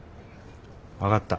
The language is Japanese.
分かった。